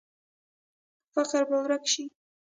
فقر به ورک شي؟